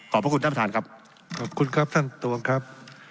ขอบพระคุณท่านประธานครับ